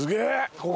ここ。